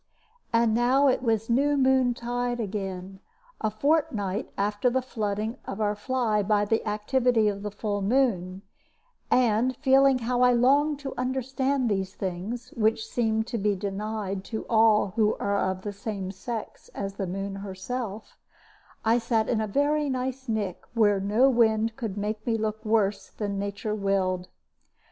And now it was new moon tide again, a fortnight after the flooding of our fly by the activity of the full moon; and, feeling how I longed to understand these things which seem to be denied to all who are of the same sex as the moon herself I sat in a very nice nick, where no wind could make me look worse than nature willed.